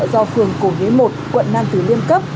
do phường cổ nghế một quận năn tử liêm cấp